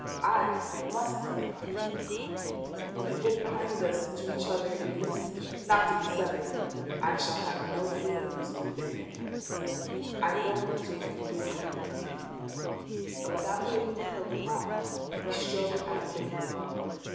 "I must have a partner in the crime. It will bind us to each other in links not to be severed. I shall have no fear of losing you then, Countess. I go to bring Luke Hatton to you." And without waiting for her reply he strode out of the room.